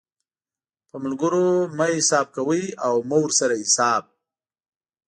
په ملګرو مه حساب کوئ او مه ورسره حساب